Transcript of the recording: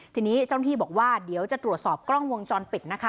ทีนี้เจ้าหน้าที่บอกว่าเดี๋ยวจะตรวจสอบกล้องวงจรปิดนะคะ